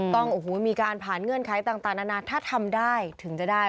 มีการผ่านเงื่อนไขต่างนานาถ้าทำได้ถึงจะได้